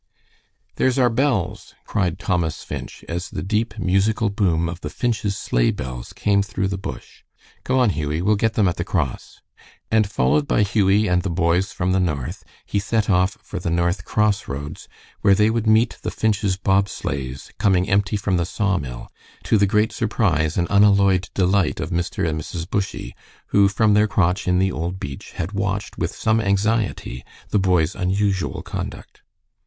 "There's our bells," cried Thomas Finch, as the deep, musical boom of the Finch's sleigh bells came through the bush. "Come on, Hughie, we'll get them at the cross." And followed by Hughie and the boys from the north, he set off for the north cross roads, where they would meet the Finch's bob sleighs coming empty from the saw mill, to the great surprise and unalloyed delight of Mr. and Mrs. Bushy, who from their crotch in the old beech had watched with some anxiety the boys' unusual conduct.